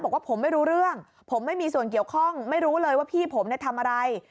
บอกว่าผมไม่รู้เรื่องผมไม่มีส่วนเกี่ยวข้องไม่รู้เลยว่าพี่ผมเนี่ยทำอะไร